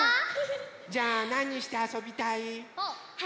じゃあなにしてあそびたい？はるきはね